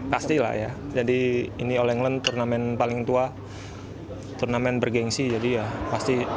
pasti lah ya jadi ini all england turnamen paling tua turnamen bergeng sea jadi ya pasti